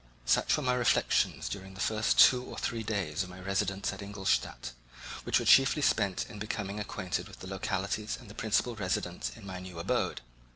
Such were my reflections during the first two or three days of my residence at Ingolstadt, which were chiefly spent in becoming acquainted with the localities and the principal residents in my new abode.